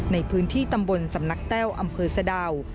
ในพื้นที่ตำบลสำนักแต้วอำเภอสะดาว